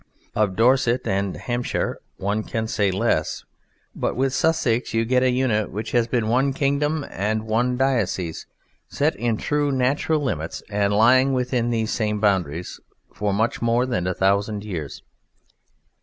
Of Dorset and Hampshire one can say less, but with Sussex you get a unit which has been one kingdom and one diocese, set in true natural limits and lying within these same boundaries for much more than a thousand years.